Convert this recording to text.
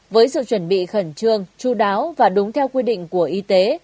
với sự chuẩn bị khẩn trương chú đáo và đúng theo quy định của y tế